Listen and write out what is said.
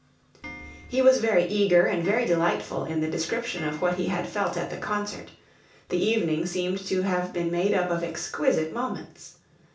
He was very eager and very delightful in the description of what he had felt at the concert; the evening seemed to have been made up of exquisite moments.